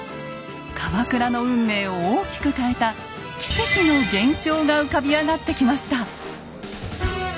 鎌倉の運命を大きく変えた奇跡の現象が浮かび上がってきました。